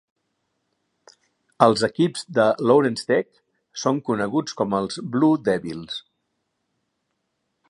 Els equips de Lawrence Tech són coneguts com els Blue Devils.